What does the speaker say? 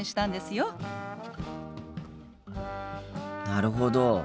なるほど。